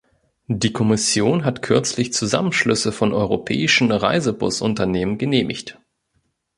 Die Kommission hat kürzlich Zusammenschlüsse von europäischen Reisebusunternehmen genehmigt.